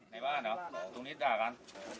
ในบ้านเหรอตรงนี้ด่ากัน